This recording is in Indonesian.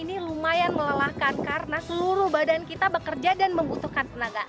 ini lumayan melelahkan karena seluruh badan kita bekerja dan membutuhkan tenaga